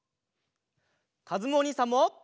かずむおにいさんも！